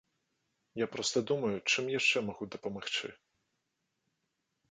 Я проста думаю, чым яшчэ магу дапамагчы.